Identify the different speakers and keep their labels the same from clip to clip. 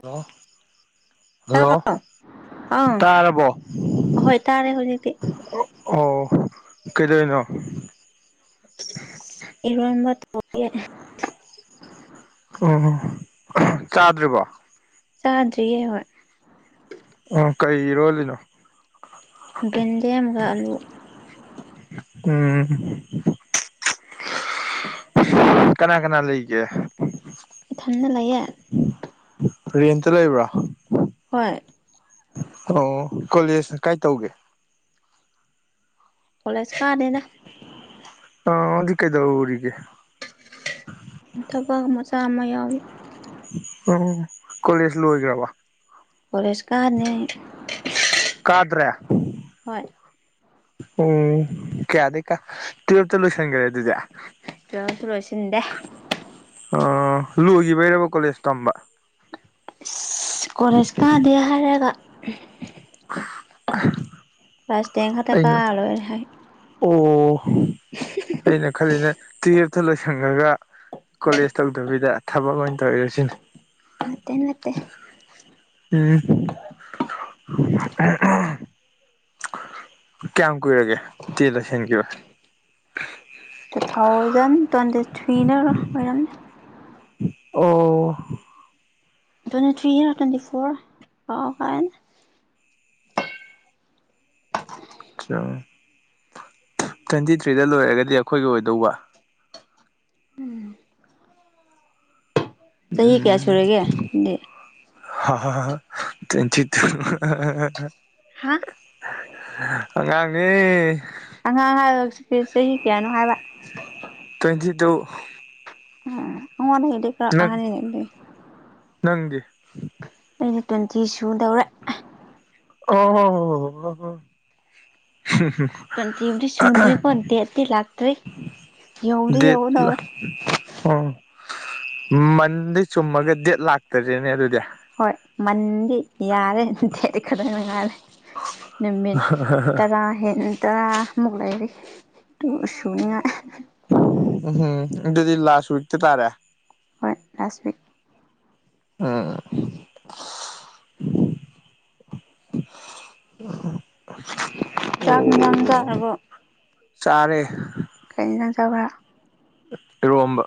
Speaker 1: Hello hello
Speaker 2: ꯇꯥꯕ꯭ꯔꯣ ꯑꯥ
Speaker 1: ꯇꯥꯔꯕꯣ
Speaker 2: ꯍꯣꯏ ꯇꯥꯔꯦ ꯍꯧꯖꯤꯛꯇꯤ
Speaker 1: ꯑꯣ ꯀꯩꯗꯧꯔꯤꯅꯣ
Speaker 2: ꯏꯔꯣꯟꯕ ꯊꯣꯡꯉꯦ
Speaker 1: ꯑꯣ ꯆꯥꯗ꯭ꯔꯤꯕꯣ
Speaker 2: ꯆꯥꯗ꯭ꯔꯤꯌꯦ ꯍꯣꯏ
Speaker 1: ꯑꯣ ꯀꯩ ꯏꯔꯣꯜꯂꯤꯅꯣ
Speaker 2: ꯌꯦꯟꯗꯦꯝꯒ ꯑꯂꯨ
Speaker 1: ꯎꯝ ꯀꯅꯥ ꯀꯅꯥ ꯂꯩꯒꯦ
Speaker 2: ꯢꯊꯥꯟꯅ ꯂꯩꯌꯦ
Speaker 1: ꯔꯦꯟꯇ ꯂꯩꯕ꯭ꯔꯣ
Speaker 2: ꯍꯣꯏ
Speaker 1: ꯑꯣ ꯀꯣꯂꯦꯖꯅ ꯀꯥꯏ ꯇꯧꯒꯦ
Speaker 2: ꯀꯣꯂꯦꯖ ꯀꯥꯗꯦꯗ
Speaker 1: ꯑꯣ ꯑꯗꯨꯗꯤ ꯀꯩꯗꯧꯔꯤꯒꯦ
Speaker 2: ꯊꯕꯛ ꯃꯆꯥ ꯑꯃ ꯌꯥꯎꯋꯦ
Speaker 1: ꯎꯝ ꯀꯣꯂꯦꯖ ꯂꯣꯏꯈ꯭ꯔꯕꯣ
Speaker 2: ꯀꯣꯂꯦꯁ ꯀꯥꯗꯦ
Speaker 1: ꯀꯥꯗ꯭ꯔꯦ
Speaker 2: ꯍꯣꯏ
Speaker 1: ꯑꯝ ꯀꯌꯥꯗꯩ ꯀ ꯇꯨꯋꯤꯞꯇ ꯂꯣꯏꯁꯤꯟꯈꯔꯦ ꯑꯗꯨꯗꯤ
Speaker 2: ꯇꯨꯋꯤꯞꯁꯨ ꯂꯣꯏꯁꯤꯟꯗꯦ
Speaker 1: ꯂꯣꯏꯒꯤꯕꯩꯔꯣ ꯀꯣꯂꯦꯖ ꯇꯝꯕ
Speaker 2: ꯀꯣꯂꯦꯖ ꯀꯥꯗꯦ ꯍꯥꯏꯔꯒ
Speaker 1: ꯍꯥꯏ [inaudible]
Speaker 2: ꯀꯥꯁ ꯇꯦꯟ ꯈꯛꯇ ꯀꯥꯔ ꯂꯣꯏꯔꯦ ꯍꯥꯏ
Speaker 1: ꯑꯣ ꯑꯩꯅ ꯈꯜꯂꯤꯅ ꯇꯨꯌꯦꯜꯐꯇ ꯂꯣꯏꯁꯤꯟꯒ꯭ꯔꯒ ꯀꯣꯂꯦꯖ ꯇꯧꯗꯕꯤꯗ ꯊꯕꯛ ꯑꯣꯏꯅ ꯇꯧꯔꯔ ꯁꯤꯅꯤ
Speaker 2: ꯅꯠꯇꯦ ꯅꯠꯇꯦ
Speaker 1: ꯎꯝ ꯀꯌꯥꯝ ꯀꯨꯏꯔꯒꯦ ꯇꯦꯜ ꯂꯣꯢꯁꯤꯟꯈꯤꯕ
Speaker 2: ꯇꯨ ꯊꯥꯎꯖꯟ ꯇ꯭ꯋꯦꯟꯇꯤ ꯊ꯭ꯔꯤꯗ ꯑꯣꯏꯔꯝꯅꯤ
Speaker 1: ꯑꯣ
Speaker 2: ꯇ꯭ꯋꯦꯟꯇꯤ ꯊ꯭ꯔꯤ ꯇ꯭ꯋꯦꯟꯇꯤ ꯐꯣꯔ ꯀꯥꯎꯈ꯭ꯔꯦꯅꯦ
Speaker 1: ꯇ꯭ꯋꯦꯟꯇꯤ ꯊ꯭ꯔꯤꯗ ꯂꯣꯏꯔꯒꯗꯤ ꯑꯩꯈꯣꯏꯒꯤ ꯑꯣꯏꯗꯧꯕ
Speaker 2: ꯆꯍꯤ ꯀꯌꯥ ꯁꯨꯔꯒꯦ ꯅꯪꯗꯤ
Speaker 1: ꯍꯥ ꯍꯥ ꯇ꯭ꯋꯦꯟꯇꯤ ꯇꯨ
Speaker 2: ꯍꯥꯥ
Speaker 1: ꯑꯉꯥꯡꯅꯦ
Speaker 2: ꯑꯉꯥꯡ ꯍꯥꯏꯕꯁꯤ ꯆꯍꯤ ꯀꯌꯥꯅꯣ ꯍꯥꯏꯕ
Speaker 1: ꯇ꯭ꯋꯦꯟꯇꯤ ꯇꯨ
Speaker 2: ꯎꯝ ꯑꯩꯉꯣꯡꯗꯒꯤ ꯍꯦꯟꯂꯤꯅꯦ
Speaker 1: ꯅꯪ
Speaker 2: ꯑꯍꯥꯟꯅꯦ ꯑꯗꯨꯗꯤ
Speaker 1: ꯅꯪꯗꯤ
Speaker 2: ꯑꯩꯗꯤ ꯇ꯭ꯋꯦꯟꯇꯤ ꯁꯨꯗꯧꯔꯦ
Speaker 1: ꯑꯣ
Speaker 2: ꯇꯨꯋꯦꯟꯗꯤꯕꯨꯗꯤ ꯁꯨꯗ꯭ꯦꯀꯣ ꯗꯦꯠ ꯂꯥꯛꯇ꯭ꯔꯦ ꯌꯥꯎꯗꯤ
Speaker 1: ꯗꯦꯠ
Speaker 2: ꯌꯧꯗꯧꯔꯦ
Speaker 1: ꯑꯣ ꯃꯟꯗꯩ ꯆꯨꯝꯃꯒ ꯗꯦꯠ ꯂꯥꯛꯇꯔꯤꯅꯦ ꯑꯗꯨꯗꯤ
Speaker 2: ꯍꯣꯏ ꯃꯟꯗꯤ ꯌꯥꯔꯦ ꯗꯦꯠ ꯈꯔꯗ ꯉꯥꯏꯔꯦ ꯅꯨꯃꯤꯠ ꯇꯔꯥ ꯇꯔꯥꯃꯨꯛ ꯂꯩꯥꯏꯔꯤ ꯑꯗꯨꯒ ꯁꯨꯅꯤꯡꯉꯥꯢ
Speaker 1: ꯎꯝꯍꯨꯝ ꯑꯗꯨꯗꯤ ꯂꯥꯁ ꯋꯤꯛꯇ ꯇꯥꯔꯦ
Speaker 2: ꯍꯣꯏ ꯂꯥꯁ ꯋꯤꯛ
Speaker 1: [unintelligible] [unintelligible]
Speaker 2: ꯆꯥꯛ ꯏꯟꯖꯥꯡ ꯆꯥꯔꯕꯣ
Speaker 1: [unintelligible]
Speaker 2: ꯀꯩ ꯏꯟꯖꯥꯡ‌ ꯆꯥꯕꯔ
Speaker 1: ꯏꯔꯣꯝꯕ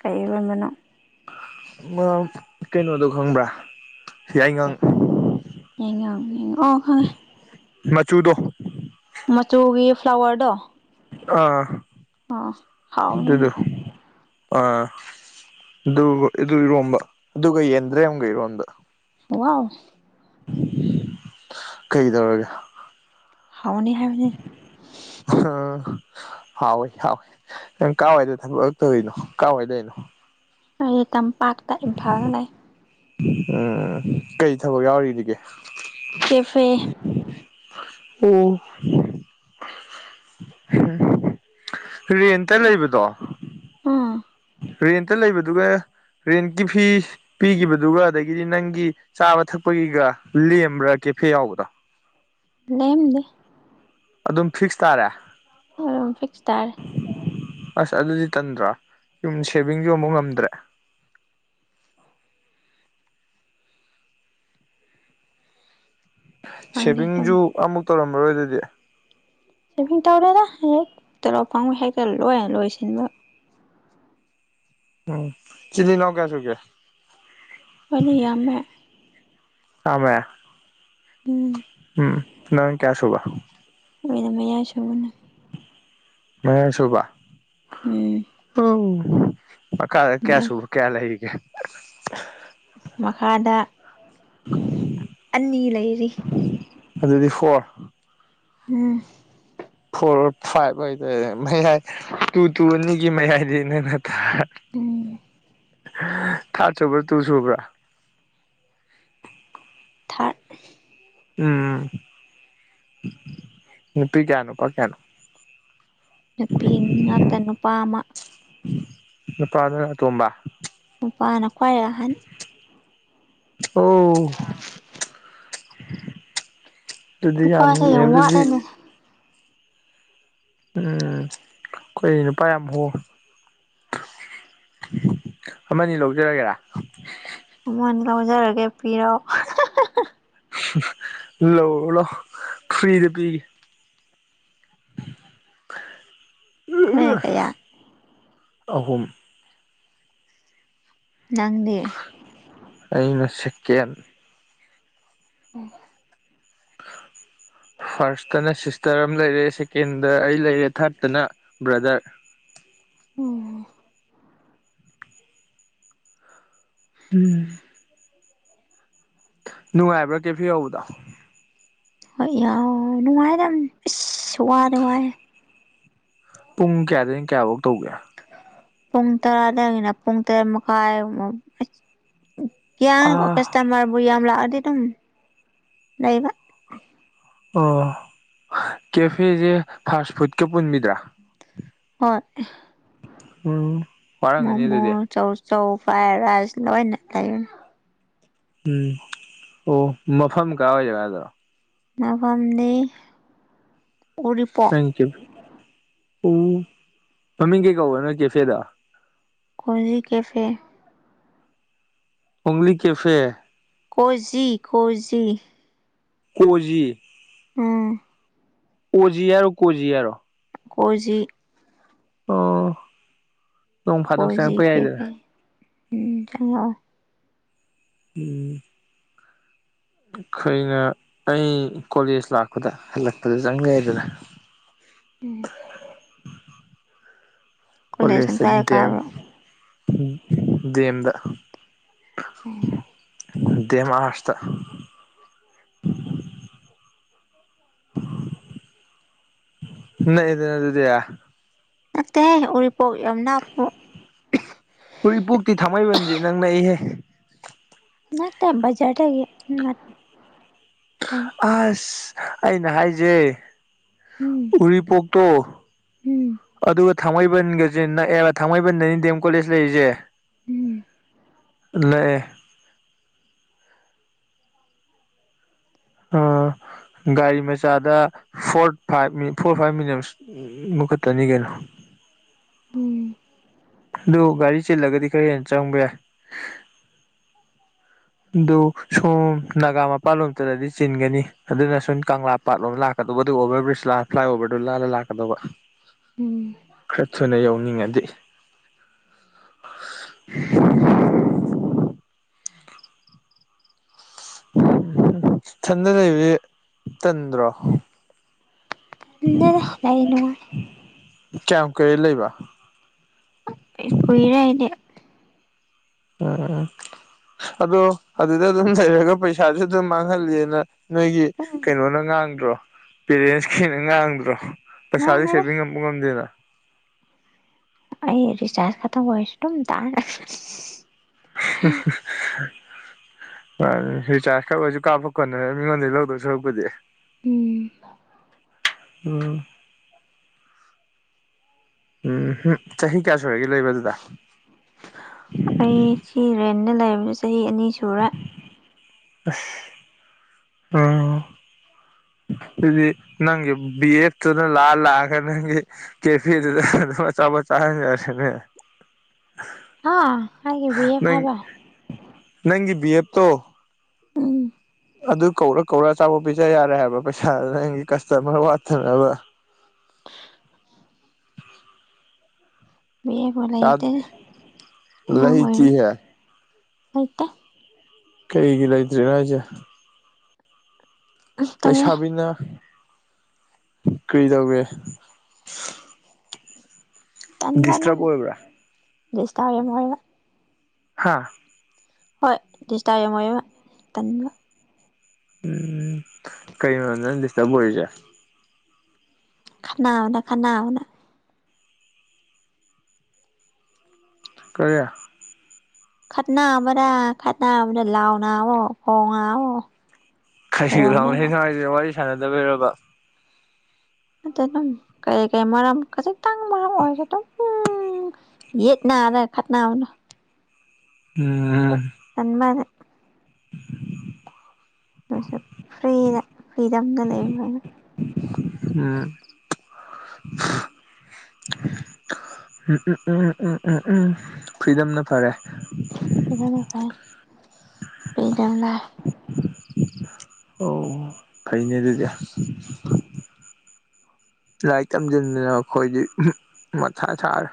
Speaker 2: ꯀꯩ ꯏꯔꯣꯟꯕꯅꯣ
Speaker 1: ꯃꯥꯎ ꯀꯩꯅꯣꯗꯣ ꯈꯪꯕ꯭ꯔꯥ ꯌꯥꯏꯉꯪ
Speaker 2: ꯌꯥꯏꯉꯪ ꯌꯥꯏꯉꯪ ꯑꯣ ꯈꯪꯉꯦ
Speaker 1: ꯃꯆꯨꯗꯣ
Speaker 2: ꯃꯆꯨꯒꯤ ꯐ꯭ꯂꯥꯋꯔꯗꯣ
Speaker 1: ꯑꯥ
Speaker 2: ꯑꯣ ꯍꯥꯎꯕꯅꯤꯅꯦ
Speaker 1: ꯑꯗꯨꯗꯣ ꯑꯥ ꯑꯗꯨꯒ ꯑꯗꯨ ꯏꯔꯣꯝꯕ ꯑꯗꯨꯒ ꯌꯦꯟꯗ꯭ꯔꯦꯝꯒ ꯏꯔꯣꯝꯕ
Speaker 2: ꯋꯥꯎ
Speaker 1: ꯀꯩꯗꯧꯔꯒꯦ
Speaker 2: ꯍꯥꯎꯅꯤ ꯍꯥꯏꯕꯅꯤꯗ
Speaker 1: ꯍꯥ ꯍꯥꯎꯋꯤ ꯍꯥꯎꯋꯤ ꯅꯪ ꯀꯋꯥꯏꯗ ꯊꯕꯛ ꯇꯧꯔꯤꯅꯣ ꯀꯋꯥꯏ ꯂꯩꯔꯤꯅꯣ
Speaker 2: ꯑꯩ ꯇꯝꯄꯥꯛꯇ ꯏꯝꯐꯥꯜꯗ ꯂꯩ
Speaker 1: ꯎꯝ ꯀꯩ ꯊꯕꯛ ꯌꯥꯎꯔꯤꯔꯤꯒꯦ
Speaker 2: ꯀꯦꯐꯦ
Speaker 1: ꯑꯣ ꯔꯦꯟꯇ ꯂꯩꯕꯗꯣ
Speaker 2: ꯎꯝ
Speaker 1: ꯔꯦꯟꯇ ꯂꯩꯕꯗꯨꯒ ꯔꯦꯟꯀꯤ ꯐꯤ ꯄꯤꯒꯤꯕꯗꯨꯒ ꯑꯗꯒꯤꯗꯤ ꯅꯪꯒꯤ ꯆꯥꯕ ꯊꯛꯄꯒꯤꯒ ꯂꯦꯝꯕ꯭ꯔꯥ ꯀꯦꯐꯦ ꯌꯥꯎꯕꯗꯣ
Speaker 2: ꯂꯦꯝꯗꯦ
Speaker 1: ꯑꯗꯨꯝ ꯐꯤꯛꯁ ꯇꯥꯔꯦ
Speaker 2: ꯑꯣꯏꯔꯣꯝ ꯐꯤꯛꯁ ꯇꯥꯔꯦ
Speaker 1: ꯑꯁ ꯑꯗꯨꯗꯤ ꯇꯟꯗ꯭ꯔꯥ ꯌꯨꯝ ꯁꯦꯚꯤꯡꯖꯨ ꯑꯝꯕꯛ ꯉꯝꯗ꯭ꯔꯦ
Speaker 2: ꯐꯪꯗꯦ ꯑꯗꯨꯝ
Speaker 1: ꯁꯦꯚꯤꯡꯖꯨ ꯑꯝꯕꯛ ꯇꯧꯔꯝꯃꯔꯣꯏ ꯑꯗꯨꯗꯤ
Speaker 2: ꯁꯦꯚꯤꯡ ꯇꯧꯔꯦꯗ ꯍꯦꯛ ꯇꯣꯂꯣꯞ ꯐꯪꯕ ꯍꯦꯛꯇ ꯂꯣꯏꯅ ꯂꯣꯏꯁꯤꯟꯕ
Speaker 1: ꯎꯝ ꯏꯆꯤꯜ ꯏꯅꯥꯎ ꯀꯌꯥ ꯁꯨꯒꯦ
Speaker 2: ꯑꯅꯤ ꯌꯥꯝꯃꯦ
Speaker 1: ꯑꯥꯃꯦ
Speaker 2: ꯎꯝ
Speaker 1: ꯎꯝ ꯅꯪ ꯀꯌꯥꯁꯨꯕ
Speaker 2: ꯑꯩꯅ ꯃꯌꯥꯏ ꯁꯨꯕꯅꯦ
Speaker 1: ꯃꯌꯥꯏ ꯁꯨꯕ
Speaker 2: ꯎꯝ
Speaker 1: ꯑꯧ ꯃꯈꯥꯗ ꯀꯌꯥ
Speaker 2: ꯃꯩ
Speaker 1: ꯁꯨꯕ ꯀꯌꯥ ꯂꯩꯔꯤꯒꯦ
Speaker 2: ꯃꯈꯥꯗ
Speaker 1: [unintelligible]
Speaker 2: ꯑꯅꯤ ꯂꯩꯔꯤ
Speaker 1: ꯑꯗꯨꯗꯤ ꯐꯣꯔ
Speaker 2: ꯎꯝ
Speaker 1: ꯐꯣꯔ ꯐꯥꯏꯚ ꯍꯥꯏꯇꯔꯦ ꯃꯌꯥꯏ ꯇꯨ ꯇꯨ ꯑꯅꯤꯒꯤ ꯃꯌꯥꯏꯗꯗꯤ ꯅꯪꯅ ꯇꯥꯔꯦ
Speaker 2: ꯎꯝ
Speaker 1: ꯊꯥꯔꯠ ꯁꯨꯕ꯭ꯔꯥ ꯇꯨ ꯁꯨꯕ꯭ꯔꯥ
Speaker 2: ꯊꯥꯔꯠ
Speaker 1: ꯎꯝ ꯅꯨꯄꯤ ꯀꯌꯥ ꯅꯨꯨꯄꯥ ꯀꯌꯥꯅꯣ
Speaker 2: ꯅꯨꯄꯤ ꯉꯥꯛꯇ ꯅꯨꯄꯥ ꯑꯃ
Speaker 1: ꯅꯨꯄꯥ ꯗꯨꯅ ꯑꯇꯣꯝꯕ
Speaker 2: ꯅꯨꯄꯥꯅ ꯈ꯭ꯋꯥꯏ ꯑꯍꯟ
Speaker 1: ꯑꯣ ꯑꯗꯨꯗꯤ ꯌꯥꯝ
Speaker 2: ꯅꯨꯄꯥꯁꯦ
Speaker 1: ꯑꯗꯨꯗꯤ
Speaker 2: ꯋꯥꯠꯂꯦꯅꯦ
Speaker 1: ꯎꯝ ꯑꯩꯈꯣꯏ ꯅꯨꯄꯥ ꯌꯥꯝ ꯍꯣꯡ ꯑꯃꯅꯤ ꯂꯧꯖꯔꯒꯦꯔꯥ
Speaker 2: ꯑꯃꯅꯤ ꯂꯧꯖꯔꯒꯦ ꯄꯤꯔꯛꯑꯣ
Speaker 1: ꯂꯣ ꯂꯣ ꯐꯔꯤꯗ ꯄꯤ
Speaker 2: ꯅꯪꯀꯌꯥ
Speaker 1: ꯑꯍꯨꯝ
Speaker 2: ꯅꯪꯗꯤ
Speaker 1: ꯑꯩꯅ ꯁꯤꯀꯦꯟ
Speaker 2: ꯎꯝ
Speaker 1: [unintelligible] ꯐꯥꯔꯁꯇꯅ ꯁꯤꯁꯇꯔ ꯑꯃ ꯂꯩꯔꯦ ꯁꯦꯀꯦꯟꯗ ꯑꯩ ꯂꯩꯔꯦ ꯊꯥꯔꯠꯇꯅ ꯕ꯭ꯔꯗꯔ
Speaker 2: ꯎꯝ
Speaker 1: ꯎꯝ ꯅꯨꯡꯉꯥꯏꯕ꯭ꯔꯥ ꯀꯦꯐꯦ ꯌꯥꯎꯕꯗꯣ
Speaker 2: ꯍꯣꯏ ꯌꯥꯎ ꯅꯨꯡꯉꯥꯏꯗ ꯏꯁꯁ ꯋꯥꯗ ꯋꯥꯏꯑꯦ
Speaker 1: ꯄꯨꯡ ꯀꯌꯥꯗꯒꯤꯡ ꯀꯌꯥꯐꯧ ꯇꯧꯒꯦ
Speaker 2: ꯄꯨꯡ ꯇꯔꯥꯗꯒꯤꯅ ꯄꯨꯡ ꯇꯔꯦꯠ ꯃꯈꯥꯏꯨꯛ ꯀꯌꯥ
Speaker 1: ꯑꯥ
Speaker 2: ꯀꯥꯁꯇꯃꯔꯕꯨ ꯌꯥꯝ ꯂꯥꯛꯑꯗꯤ ꯑꯗꯨꯝ ꯂꯩꯕ
Speaker 1: ꯑꯣ ꯀꯦꯐꯦꯁꯦ ꯐꯥꯁ ꯐꯨꯗꯀ ꯄꯨꯟꯕꯤꯗ꯭ꯔꯥ
Speaker 2: ꯍꯣꯏ
Speaker 1: ꯎꯝ ꯋꯥꯔꯝꯒꯅꯤ
Speaker 2: ꯃꯣꯃꯣ
Speaker 1: ꯑꯗꯨꯗꯤ
Speaker 2: ꯆꯧ ꯆꯧ ꯐ꯭ꯔꯥꯏ ꯔꯥꯏꯁ ꯂ ꯊ
Speaker 1: ꯎꯝ ꯑꯣ ꯃꯐꯝ ꯀꯥ ꯑꯣꯏ ꯒꯥꯗꯣ
Speaker 2: ꯃꯐꯝꯗꯤ ꯎꯔꯤꯄꯣꯛ
Speaker 1: ꯎ ꯃꯃꯤꯡ ꯀꯩ ꯀꯧꯕ ꯅꯣ ꯀꯦꯐꯦꯗ
Speaker 2: ꯑꯣꯡꯂꯤ ꯀꯦꯐꯦ
Speaker 1: ꯑꯣꯡꯂꯤ ꯀꯦꯐꯦ
Speaker 2: ꯀꯣꯖꯤ ꯀꯣꯖꯤ
Speaker 1: ꯀꯣꯖꯤ
Speaker 2: ꯎꯝ
Speaker 1: ꯑꯣꯖꯤ ꯍꯥꯏꯔꯣ ꯀꯣꯖꯤ ꯍꯥꯏꯔꯣ
Speaker 2: ꯀꯣꯖꯤ
Speaker 1: ꯑꯣ ꯅꯣꯡ ꯐꯥꯗꯣꯛ
Speaker 2: ꯀꯣꯖꯤ
Speaker 1: ꯆꯉꯛꯄ ꯌꯥꯏꯗꯅ
Speaker 2: ꯀꯦꯐꯦ ꯎꯝ ꯆꯪꯉꯛꯑꯣ
Speaker 1: ꯎꯝ ꯑꯩꯈꯣꯏꯅ ꯑꯩ ꯀꯣꯂꯦꯖ ꯂꯥꯛꯄꯗ ꯍꯜꯂꯛꯄꯗ ꯆꯪꯉꯦꯗꯅ
Speaker 2: ꯎꯝ ꯀꯣꯂꯦꯖ
Speaker 1: ꯀꯣꯂꯦꯖꯁꯦ
Speaker 2: ꯇꯪꯈꯥꯏ
Speaker 1: ꯗꯦꯝ
Speaker 2: ꯀꯥꯕ꯭ꯔꯣ
Speaker 1: ꯗꯦꯝꯗ
Speaker 2: ꯎꯝ
Speaker 1: ꯗꯦꯝ ꯑꯥꯔꯁꯇ
Speaker 2: [inaudible]
Speaker 1: ꯅꯛꯑꯦꯗꯅ ꯑꯗꯨꯗꯤ
Speaker 2: ꯅꯠꯇꯦꯍꯦ ꯎꯔꯤꯄꯣꯛ ꯌꯥꯝ ꯂꯥꯞꯄꯨ
Speaker 1: ꯎꯔꯤꯄꯣꯛꯇꯤ ꯊꯥꯡꯃꯩꯕꯟꯁꯦ ꯅꯪꯅ ꯑꯩꯍꯦ
Speaker 2: ꯅꯠꯇꯥ ꯕꯖꯥꯔꯗꯒꯤ ꯅꯠꯇꯦ
Speaker 1: ꯑꯁ ꯑꯩꯅ ꯍꯥꯏꯖꯦ
Speaker 2: ꯎꯝ
Speaker 1: ꯎꯔꯤꯄꯣꯛꯇꯣ
Speaker 2: ꯎꯝ
Speaker 1: ꯑꯗꯨꯒ ꯊꯥꯡꯃꯩꯕꯟꯒꯖꯦ ꯅꯛꯑꯦꯕ ꯊꯥꯡꯃꯩꯕꯟꯗꯅꯤ ꯗꯦꯝ ꯀꯣꯂꯦꯖ ꯂꯩꯔꯤꯖꯦ
Speaker 2: ꯎꯝ
Speaker 1: ꯂꯛꯑꯦ ꯑ ꯒꯥꯔꯤ ꯃꯆꯥꯗ ꯐꯣꯔ ꯐꯥꯏꯚ ꯃꯤ ꯐꯣꯔ ꯐꯥꯏꯚ ꯃꯤꯅꯠꯁ ꯑꯃꯈꯛꯇꯅꯤ ꯀꯩꯅꯣ
Speaker 2: ꯎꯝ
Speaker 1: ꯑꯗꯨ ꯒꯥꯔꯤ ꯆꯤꯜꯂꯒꯗꯤ ꯈꯔ ꯍꯦꯟꯅ ꯆꯪꯕ ꯌꯥꯏ ꯑꯗꯨ ꯁꯣꯝ ꯅꯥꯒꯥꯃꯄꯥꯜꯂꯣꯝ ꯆꯠꯂꯗꯤ ꯆꯤꯟꯒꯅꯤ ꯑꯗꯨꯅ ꯁꯨꯟ ꯀꯪꯂꯥ ꯄꯥꯠ ꯂꯣꯝꯗ ꯂꯥꯛꯀꯗꯧꯕ ꯑꯗꯨꯒ ꯑꯣꯚ꯭ꯔ ꯕ꯭ꯔꯤꯖ ꯂꯥꯟ ꯐ꯭ꯂꯥꯏꯑꯣꯕ꯭ꯔꯗꯨ ꯂꯥꯜꯂ ꯂꯥꯛꯀꯗꯕ
Speaker 2: ꯎꯝ
Speaker 1: ꯈꯔ ꯊꯨꯅ ꯌꯧꯅꯤꯡꯉꯗꯤ ꯏꯊꯟꯗ ꯂꯩꯕꯗꯤ ꯇꯟꯗ꯭ꯔꯣ
Speaker 2: ꯇꯟꯗꯦꯗꯥ ꯂꯩ ꯅꯨꯡꯉꯥꯏ
Speaker 1: ꯀꯌꯥꯝ ꯀꯨꯏꯔꯦ ꯂꯩꯕ
Speaker 2: ꯀꯨꯏꯔꯦ ꯑꯩꯗꯤ
Speaker 1: ꯑ ꯑꯗꯣ ꯑꯗꯨꯗ ꯑꯗꯨꯝ ꯂꯩꯔꯒ ꯄꯩꯁꯥꯗꯤ ꯑꯗꯨꯝ ꯃꯥꯡꯍꯜꯂꯤ ꯅꯪ ꯅꯣꯏꯒꯤ
Speaker 2: ꯎꯝ
Speaker 1: ꯀꯩꯅꯣꯅ ꯉꯥꯡꯗ꯭ꯔꯣ ꯄꯦꯔꯦꯟꯁꯈꯩꯅ ꯉꯥꯡꯗ꯭ꯔꯣ ꯄꯩꯁꯥꯗꯤ
Speaker 2: ꯉꯥꯡꯅꯔꯦ
Speaker 1: ꯁꯦꯚꯤꯡ ꯄꯨꯉꯝꯗꯦꯅ
Speaker 2: ꯑꯩ ꯔꯤꯆꯥꯔꯖ ꯈꯇꯝ ꯑꯣꯏꯔꯁꯨ ꯑꯗꯨꯝ ꯗꯥꯟ
Speaker 1: [unintelligible] ꯃꯥꯅꯤ ꯔꯤꯆꯥꯔꯖ ꯈꯛ ꯑꯣꯏꯁꯨ ꯀꯥꯞꯄꯀꯣꯟꯅꯔ ꯃꯤꯉꯣꯟꯗꯩ ꯂꯧꯗꯧ ꯁꯔꯨꯛꯄꯨꯗꯤ
Speaker 2: ꯎꯝ
Speaker 1: ꯎꯝ ꯎꯝꯍꯨꯞ ꯆꯍꯤ ꯀꯌꯥ ꯁꯨꯔꯒꯦ ꯂꯩꯕ ꯑꯗꯨꯗ
Speaker 2: ꯑꯩ ꯁꯤ ꯔꯦꯟꯗ ꯂꯩꯕꯁꯤ ꯆꯍꯤ ꯑꯅꯤ ꯁꯨꯔꯦ
Speaker 1: ꯑꯁ ꯑ ꯑꯗꯨꯗꯤ ꯅꯪꯒꯤ ꯕꯤ ꯑꯦꯠ ꯇꯨꯅ ꯂꯥꯛꯑ ꯂꯥꯛꯑꯒ ꯅꯪꯒꯤ ꯀꯦꯐꯦꯗꯨꯗ ꯑꯗꯨꯝ ꯑꯆꯥꯄꯣꯠ ꯆꯥꯍꯟ ꯌꯥꯔꯦꯅꯦ
Speaker 2: ꯍꯥ ꯑꯩꯒꯤ ꯕꯤ ꯑꯦꯐ
Speaker 1: ꯅꯪ
Speaker 2: ꯍꯥꯏꯕ
Speaker 1: ꯅꯪꯒꯤ ꯕꯤ ꯑꯦꯞꯇꯣ
Speaker 2: ꯎꯝ
Speaker 1: ꯑꯗꯨ ꯀꯧꯔ ꯀꯧꯔ ꯑꯆꯥꯄꯣꯠ ꯄꯤꯖ ꯌꯥꯔꯦ ꯍꯥꯏꯕ ꯄꯩꯁꯥꯗꯨ ꯅꯪꯒꯤ ꯀ꯭ꯁꯇꯃ꯭ꯔ ꯋꯥꯠꯇꯅꯕ
Speaker 2: [inaudible] ꯕꯤꯑꯦꯕꯨ ꯂꯩꯇꯦ ꯑꯉꯥꯡ ꯑꯣꯏꯔꯤ
Speaker 1: ꯂꯩꯇꯦꯍꯦ
Speaker 2: ꯂꯩꯇꯦ
Speaker 1: ꯀꯩꯒꯤ ꯂꯩꯇ꯭ꯔꯤꯅꯣ ꯍꯥꯏꯖꯦ
Speaker 2: ꯑꯁ ꯇꯜꯂꯦ
Speaker 1: ꯂꯩꯁꯥꯕꯤꯅ ꯀꯔꯤ ꯇꯧꯒ꯭ꯔꯦ
Speaker 2: ꯇꯟꯒꯅꯨ
Speaker 1: ꯗꯤꯁꯇꯔꯕ ꯑꯣꯏꯕ꯭ꯔꯥ
Speaker 2: ꯗꯤꯁꯇꯥꯔꯦꯝ ꯍꯣꯏꯒ
Speaker 1: ꯍꯥꯥ
Speaker 2: ꯍꯣꯏ ꯗꯤꯁꯇꯥꯔꯦꯝ ꯃꯣꯏꯕ ꯇꯟꯕ
Speaker 1: ꯎꯝ ꯀꯩꯅꯣ ꯅꯪ ꯗꯤꯁꯇ꯭ꯕ ꯑꯣꯏꯔꯤꯖꯦ
Speaker 2: ꯈꯟꯅꯕꯅ ꯈꯟꯅꯕꯅ
Speaker 1: ꯀꯔꯤ
Speaker 2: ꯈꯠꯅꯕꯔ ꯈꯠꯅꯕꯗ ꯂꯥꯎꯅꯕꯣ ꯈꯣꯡꯉꯉꯣ
Speaker 1: ꯀꯁꯤꯒꯤ ꯂꯥꯎꯅꯩꯅꯣ ꯍꯥꯏꯖꯦ ꯋꯥꯔꯤ ꯁꯥꯟꯅꯗꯕꯩꯔꯕ
Speaker 2: ꯅꯠꯇꯦꯗꯝ ꯀꯩ ꯀꯩ ꯃꯔꯝ ꯈꯖꯤꯛꯇꯪ ꯃꯔꯝ ꯑꯣꯏꯔꯁꯨ ꯑꯗꯨ ꯎꯝ ꯌꯦꯠꯅꯥꯗ ꯈꯠꯅꯕꯗꯣ
Speaker 1: ꯎꯝ
Speaker 2: ꯇꯟꯕꯅ [unintelligible] ꯐ꯭ꯔꯤꯗ ꯐ꯭ꯔꯤꯗꯝꯗ ꯂꯩꯕꯅ꯫
Speaker 1: ꯎꯝ꯫ ꯎꯝ ꯎꯝ ꯎꯝ ꯎꯝ ꯎꯝ ꯎꯝ ꯎꯝ ꯐ꯭ꯔꯤꯗꯝꯅ ꯐꯔꯦ꯫
Speaker 2: ꯑꯗꯨꯅ ꯐꯩ [unintelligible]
Speaker 1: ꯑꯣ ꯐꯩꯅꯦ ꯑꯗꯨꯗꯤ꯫ ꯂꯥꯏꯔꯤꯛ ꯇꯝꯁꯤꯟꯗꯅ ꯑꯩꯈꯣꯏꯗꯤ ꯃꯊꯥ ꯁꯥꯔꯦ꯫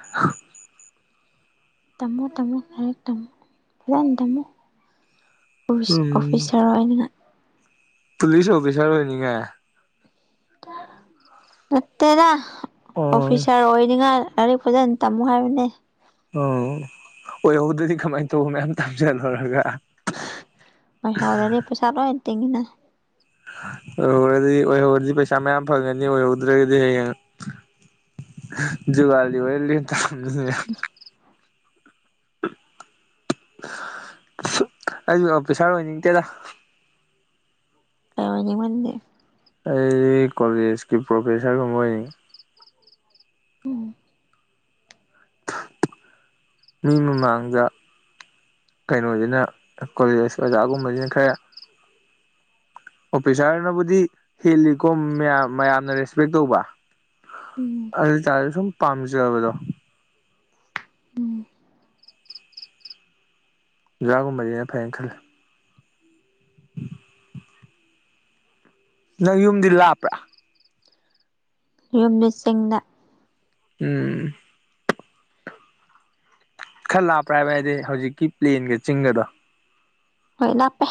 Speaker 2: ꯇꯝꯃꯣ ꯇꯝꯃꯣ ꯂꯥꯏꯛ ꯇꯝꯃꯣ ꯐꯖꯅ ꯇꯝꯃꯣ ꯎꯏꯁ
Speaker 1: ꯎꯝ
Speaker 2: ꯑꯣꯐꯤꯁꯥꯔ ꯑꯣꯏꯅ꯫
Speaker 1: ꯄꯨꯂꯤꯁ ꯑꯣꯐꯤꯁꯔ ꯑꯣꯏꯅꯤꯉ
Speaker 2: ꯅꯇꯩꯗ
Speaker 1: ꯑꯣ
Speaker 2: ꯑꯣꯐꯤꯁꯔ ꯑꯣꯏ ꯅꯤꯡꯍꯥ ꯂꯥꯏꯔꯤꯛ ꯐꯖꯅ ꯇꯝꯃꯨ ꯍꯥꯏꯕꯅꯦ
Speaker 1: ꯑꯣ ꯑꯣꯏꯍꯧꯕꯗꯗꯤ ꯀꯃꯥꯏꯅ ꯇꯧꯕ ꯃꯌꯥꯝ ꯇꯥꯖꯜꯂꯨꯔꯒ
Speaker 2: ꯍꯣꯏ ꯍꯂꯗꯤ ꯄꯩꯁꯥ ꯇꯣ ꯇꯉꯅ
Speaker 1: ꯑꯣꯏꯍꯧꯔꯗꯤ ꯑꯣꯏꯍꯧꯔꯗꯤ ꯄꯩꯁꯥ ꯃꯌꯥꯝ ꯐꯪꯉꯅꯤ ꯑꯣꯏꯍꯧꯗ꯭ꯔꯒꯗꯤ ꯍꯌꯦꯡ ꯨꯒꯂꯤ ꯑꯣꯏ ꯊ ꯑꯩꯁꯨ ꯑꯣꯐꯤꯁꯥꯔ ꯑꯣꯏꯅꯤꯡꯗꯦꯗ
Speaker 2: ꯐ ꯑꯃꯅꯤꯅꯤ ꯃꯗꯤꯦ
Speaker 1: ꯑꯩ ꯀꯣꯂꯦꯖꯀꯤ ꯄ꯭ꯔꯣꯐꯦꯁꯥꯔꯒꯨꯝꯕ ꯑꯣꯏꯅꯤꯡ꯫ ꯃꯤ ꯃꯃꯥꯡꯗ꯫ ꯀꯩꯅꯣꯁꯤꯅ ꯀꯣꯂꯦꯖ ꯑꯣꯖꯥꯒꯨꯝꯕꯁꯤꯅ ꯈꯔ꯫ ꯑꯣꯐꯤꯁꯥꯔꯅꯕꯨꯗꯤ ꯍꯦꯜꯂꯤꯀꯣ ꯃꯌꯥꯝ ꯃꯌꯥꯝꯅ ꯔꯦꯁꯄꯦꯛ ꯇꯧꯕ꯫
Speaker 2: ꯎꯝ
Speaker 1: ꯑꯗꯨ ꯇꯥꯔꯁꯨ ꯁꯨꯝ ꯄꯥꯝꯖꯕꯗꯣ꯫ ꯑꯣꯖꯥꯒꯨꯝꯕꯁꯤꯅ ꯐꯩꯅ ꯈꯜꯂꯦ꯫ ꯅꯪ ꯌꯨꯝꯗꯤ ꯂꯥꯞꯄ꯭ꯔꯥ꯫
Speaker 2: ꯌꯨꯝꯗꯤ ꯆꯤꯡꯗ꯫
Speaker 1: ꯎꯝ꯫ ꯈꯔ ꯂꯥꯞꯄ꯭ꯔꯥ ꯍꯥꯏꯕ ꯍꯥꯏꯗꯤ ꯍꯧꯖꯤꯛꯀꯤ ꯄ꯭ꯂꯦꯟꯒ ꯆꯤꯡꯒꯗꯣ꯫
Speaker 2: ꯍꯣꯏ ꯂꯥꯞꯄꯦ꯫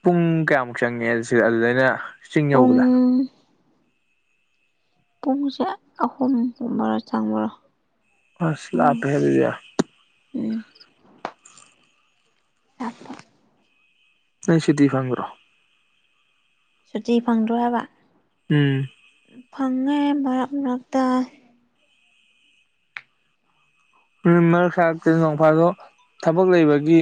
Speaker 1: ꯄꯨꯡ ꯀꯌꯥꯃꯨꯛ ꯆꯪꯉꯦ ꯁꯤꯗ ꯑꯗꯨꯗꯩꯅ ꯆꯤꯡ
Speaker 2: ꯄꯨꯡ
Speaker 1: ꯌꯧꯕꯗ꯫
Speaker 2: ꯄꯨꯡꯁꯦ ꯑꯍꯨꯝꯒꯨꯝꯕꯔ ꯆꯪꯕ꯭ꯔꯣ꯫
Speaker 1: ꯑꯁ ꯂꯥꯞꯄꯦꯍꯦ ꯑꯗꯨꯗꯤ꯫
Speaker 2: ꯎꯝ꯫ ꯂꯥꯞꯄ꯫
Speaker 1: ꯅꯣꯏ ꯁꯨꯇꯤ ꯐꯪꯗ꯭ꯔꯣ꯫
Speaker 2: ꯁꯨꯇꯤ ꯐꯪꯗ꯭ꯔꯣ ꯍꯥꯏꯕ꯫
Speaker 1: ꯎꯝ꯫
Speaker 2: ꯐꯪꯉꯦ ꯃꯔꯛ ꯃꯔꯛꯇ꯫
Speaker 1: ꯃꯔꯛ ꯁꯥꯔꯛꯇꯁꯨ ꯅꯣꯡꯐꯥꯗꯣꯛ ꯊꯕꯛ ꯂꯩꯕꯒꯤ꯫